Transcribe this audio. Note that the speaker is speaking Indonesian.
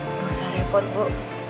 nggak usah repot bu